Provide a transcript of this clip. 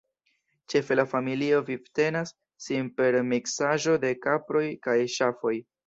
Ĉefe la familio vivtenas sin per miksaĵo de kaproj kaj ŝafoj.